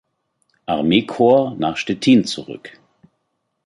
Armee-Korps nach Stettin zurück.